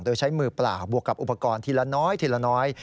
โดยใช้มือเปล่าบวกกับอุปกรณ์ทีละน้อยทีละน้อย